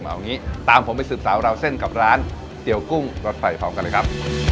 เอางี้ตามผมไปสืบสาวราวเส้นกับร้านเตี๋ยวกุ้งรสไฟพร้อมกันเลยครับ